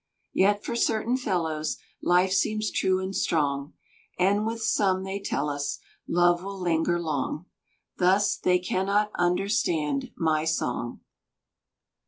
Yet for certain fellows Life seems true and strong; And with some, they tell us, Love will linger long; Thus they cannot Understand my song.